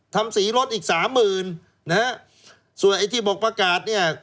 ทำสีรถอีกสามหมื่นนะฮะส่วนไอ้ที่บอกประกาศเนี่ย